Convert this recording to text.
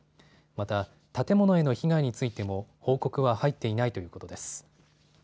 また、建物への被害についても報告は入っていないということです。